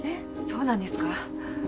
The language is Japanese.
そうなんですか。